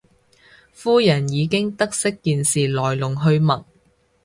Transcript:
夫人已經得悉件事來龍去脈